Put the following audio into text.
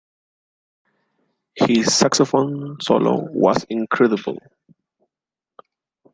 His saxophone solo was incredible.